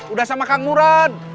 udah sama kang nuran